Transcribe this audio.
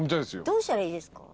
どうしたらいいですか？